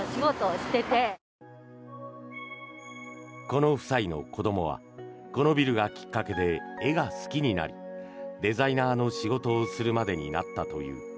この夫妻の子どもはこのビルがきっかけで絵が好きになりデザイナーの仕事をするまでになったという。